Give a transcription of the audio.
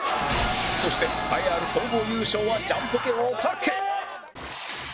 そして栄えある総合優勝はジャンポケおたけ